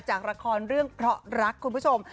จากละครเรื่องเพราะรักคุณผู้ชม